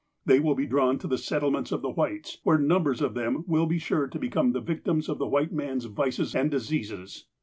They will be drawn to the settlements of the Whites, where num bers of them will be sure to become the victims of the white man's vices and diseases."